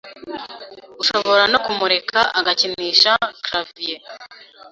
Ushobora no kumureka agakinisha clavier